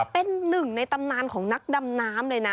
เป็นหนึ่งในตำนานของนักดำน้ำเลยนะ